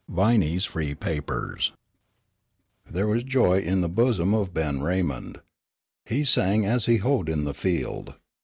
VINEY'S FREE PAPERS Part I There was joy in the bosom of Ben Raymond. He sang as he hoed in the field.